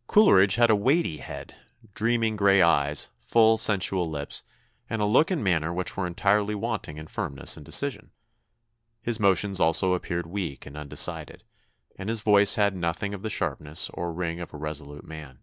] "Coleridge had a weighty head, dreaming gray eyes, full, sensual lips, and a look and manner which were entirely wanting in firmness and decision. His motions also appeared weak and undecided, and his voice had nothing of the sharpness or ring of a resolute man.